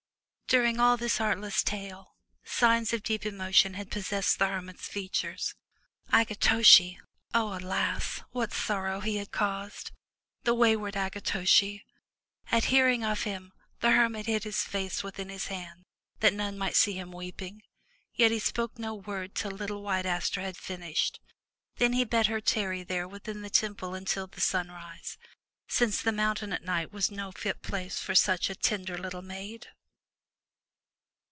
'' During all this artless tale, signs of deep emotion had possessed the hermit's features. Akitoshi — O alas! What sorrow he had caused! — the wayward Akitoshi! At hearing of him, the hermit hid his face within his hands that none might see him weeping. Yet he spoke no word till little White Aster had finished. Then he bade her tarry there within the temple until the sunrise, since the mountain at night was no fit place for such a tender little maid.